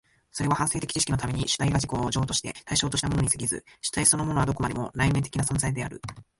それは反省的知識のために主体が自己を譲渡して対象としたものに過ぎず、主体そのものはどこまでも内面的な存在である。